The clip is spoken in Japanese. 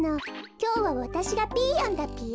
きょうはわたしがピーヨンだぴよ。